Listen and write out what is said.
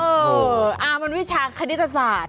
เออมันวิชาคณิตศาสตร์